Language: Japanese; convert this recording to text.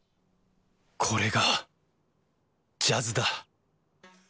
これがジャズだ。